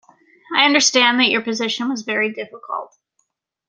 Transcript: I understand that your position was very difficult.